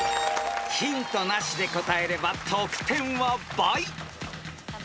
［ヒントなしで答えれば得点は倍］えっ！